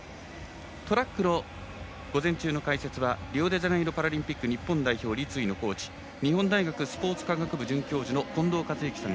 トラックの午前中の解説はリオデジャネイロパラリンピック日本代表立位のコーチ日本大学スポーツ科学部准教授の近藤克之さん。